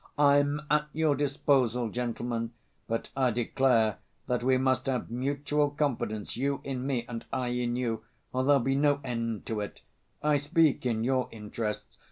I'm at your disposal, gentlemen, but I declare that we must have mutual confidence, you in me and I in you, or there'll be no end to it. I speak in your interests.